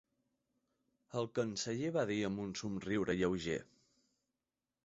El canceller va dir amb un somriure lleuger.